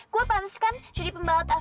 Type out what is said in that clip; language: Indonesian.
gue pantas kan jadi pembalap f satu